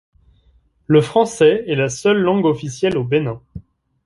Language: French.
Le français est la seule langue officielle au Bénin.